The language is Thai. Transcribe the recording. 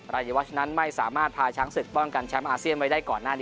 รายวัชนั้นไม่สามารถพาช้างศึกป้องกันแชมป์อาเซียนไว้ได้ก่อนหน้านี้